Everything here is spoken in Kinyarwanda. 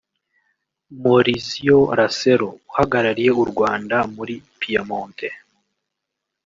Maurizio Rasero; Uhagarariye u Rwanda muri Piemonte